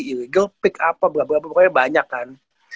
illegal pick apa berapa berapa pokoknya banyak kan